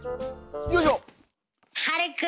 よいしょ。